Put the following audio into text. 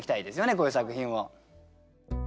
こういう作品を。